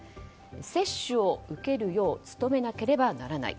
接種を受けるよう努めなければならない。